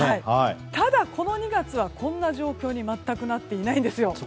ただ、この２月はこんな状況に全くなっていないんですよ。